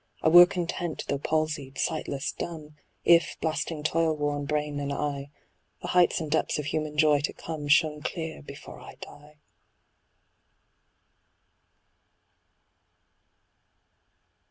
I were content, though palsied, sightless, dumb, If, blasting toil worn brain and eye, The heights and depths of human joy to come Shone clear, before I die.